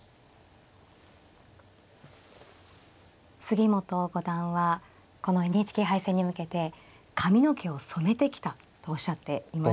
杉本五段はこのＮＨＫ杯戦に向けて髪の毛を染めてきたとおっしゃっていました。